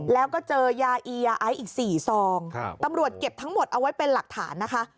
แล้วก็เจอยาอียาไอซ์อีก๔ซองตำรวจเก็บทั้งหมดเอาไว้เป็นหลักฐานนะคะ